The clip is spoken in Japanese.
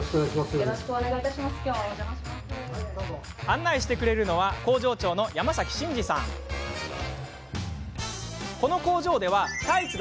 案内してくれるのは工場長の山崎真治さんです。